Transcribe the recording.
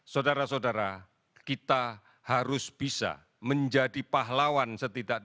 saudara saudara kita harus bisa menjadi pahlawan setidaknya